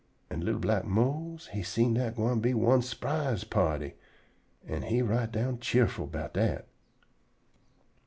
An' li'l black Mose he seen dat gwine be one s'prise party, an' he right down cheerful 'bout dat.